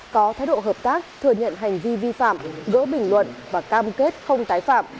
có thái độ hợp tác thừa nhận hành vi vi phạm gỡ bình luận và cam kết không tái phạm